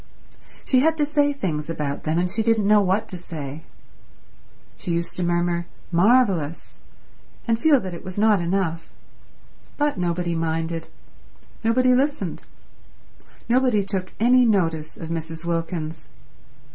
She had to say things about them, and she didn't know what to say. She used to murmur, "marvelous," and feel that it was not enough. But nobody minded. Nobody listened. Nobody took any notice of Mrs. Wilkins.